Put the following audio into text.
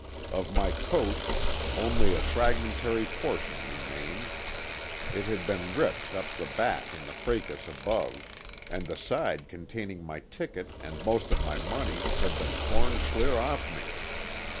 Of my coat only a fragmentary portion remained. It had been ripped up the back in the fracas above, and the side containing my ticket and most of my money had been torn clear off me.